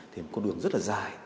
thì có đường rất là dài